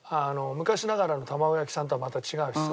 昔ながらの卵焼き屋さんとはまた違うしさ。